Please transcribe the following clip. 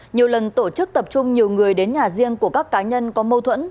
nhiều lần tổ chức tập trung nhiều người đến nhà riêng của các cá nhân có mâu thuẫn